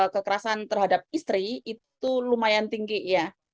kekerasan terhadap istri itu lumayan tinggi ya